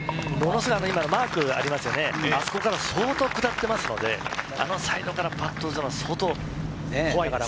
今のマークありますね、あそこから相当下ってますので、あのサイドからパットは相当怖いです。